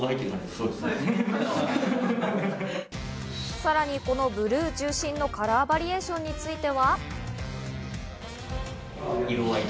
さらに、このブルー中心のカラーバリエーションについては。